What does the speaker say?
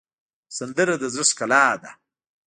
سندره د زړه ښکلا ده